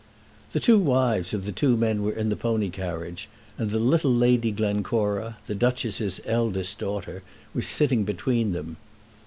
The two wives of the two men were in the pony carriage, and the little Lady Glencora, the Duchess's eldest daughter, was sitting between them.